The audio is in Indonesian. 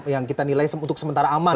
yang kita nilai untuk sementara aman